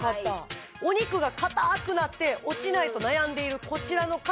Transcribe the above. お肉が硬くなって落ちないと悩んでいるこちらの方